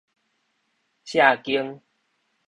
卸肩